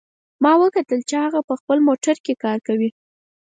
ما وکتل چې هغه په خپل موټر کې کار کوي